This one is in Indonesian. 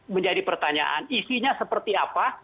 menjadi pertanyaan isinya seperti apa